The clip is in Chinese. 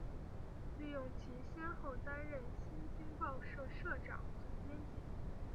利用其先后担任新京报社社长、总编辑